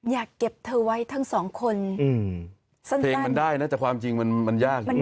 อยากเก็บเธอไว้ทั้งสองคนเพลงมันได้นะแต่ความจริงมันยาก